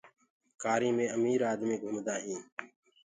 ڪآري مي امير آدمي گُمدآ هينٚ۔